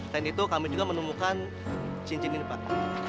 dan itu kami juga menemukan cincin ini pak